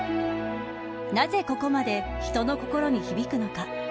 なぜここまで人の心に響くのか。